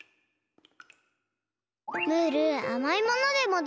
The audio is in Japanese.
ムールあまいものでもどう？